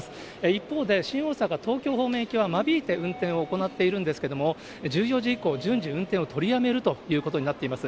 一方で、新大阪・東京方面行きは間引いて運転を行っているんですけれども、１４時以降、順次運転を取りやめるということになっています。